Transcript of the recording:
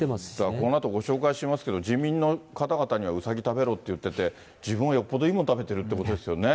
このあと、ご紹介しますけど、人民の方々にはうさぎ食べろって言ってて、自分はよっぽどいいもの食べてるってことですよね。